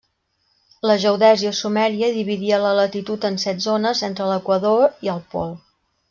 La geodèsia sumèria dividia la latitud en set zones entre l'equador i el pol.